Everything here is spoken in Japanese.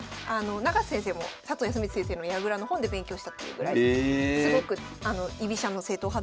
永瀬先生も佐藤康光先生の矢倉の本で勉強したっていうぐらいすごく居飛車の正統派だったんですけど。